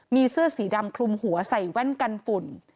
มีเสื้อสีดำคลุมหัวใส่แว่นกันฝุ่น